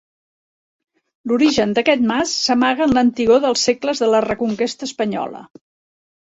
L'origen d'aquest mas s'amaga en l'antigor dels segles de la Reconquesta Espanyola.